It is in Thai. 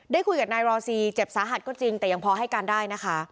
คุยกับนายรอซีเจ็บสาหัสก็จริงแต่ยังพอให้การได้นะคะ